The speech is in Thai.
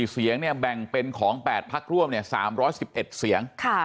๔เสียงแบ่งเป็นของ๘พักร่วม๓๑๑เสียง